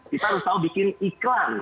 kita harus tahu bikin iklan